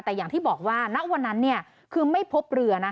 แต่อย่างที่บอกว่าณวันนั้นคือไม่พบเรือนะ